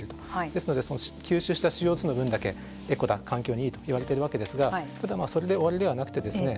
ですのでその吸収したＣＯの分だけエコだ環境にいいと言われてるわけですがそれで終わりではなくてですね